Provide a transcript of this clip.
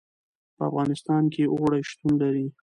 په افغانستان کې اوړي شتون لري.